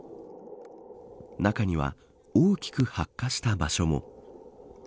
中には大きく白化した場所も。